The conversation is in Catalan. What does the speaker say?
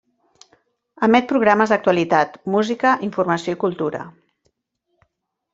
Emet programes d'actualitat, música, informació i cultura.